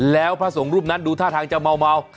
แล้วพระสงฆ์รูปนั้นดูท่าทางจะเมา